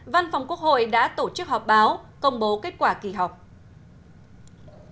văn phòng quốc hội đã tổ chức họp báo công bố kết quả kỳ họp